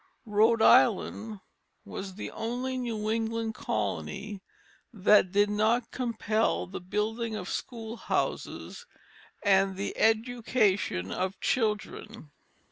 Rhode Island was the only New England colony that did not compel the building of schoolhouses and the education of children.